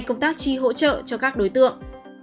công tác chi hỗ trợ cho các đối tượng